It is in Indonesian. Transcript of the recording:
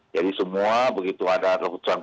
jadi semua begitu ada keputusan tersebut